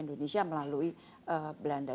indonesia melalui belanda